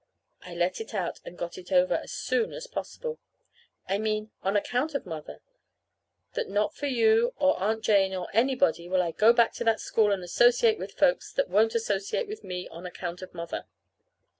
I let it out and got it over as soon as possible. "I mean, on account of Mother that not for you, or Aunt Jane, or anybody will I go back to that school and associate with folks that won't associate with me on account of Mother."